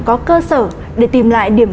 có cơ sở để tìm lại điểm